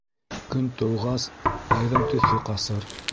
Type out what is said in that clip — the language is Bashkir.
Көн тыуғас, айҙың төҫө ҡасыр.